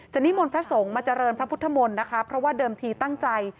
นิมนต์พระสงฆ์มาเจริญพระพุทธมนต์นะคะเพราะว่าเดิมทีตั้งใจ